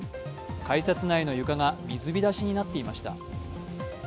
改札内の床が水浸しになっていました。